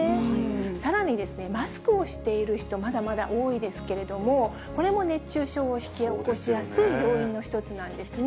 さらにですね、マスクをしている人、まだまだ多いですけれども、これも熱中症を引き起こしやすい要因の一つなんですね。